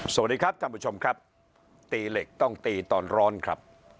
สวัสดีครับท่านผู้ชมครับตีเหล็กต้องตีตอนร้อนครับ